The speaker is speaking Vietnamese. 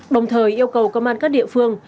đồng thời yêu cầu công an các địa phương